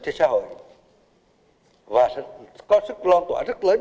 cho xã hội và có sức lan tỏa rất lớn